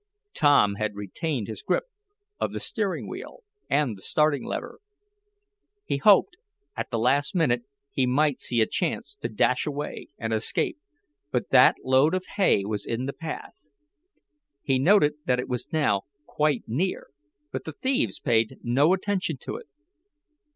Tom had retained his grip of the steering wheel, and the starting lever. He hoped, at the last minute, he might see a chance to dash away, and escape, but that load of hay was in the path. He noted that it was now quite near, but the thieves paid no attention to it.